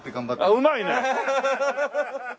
うまいね。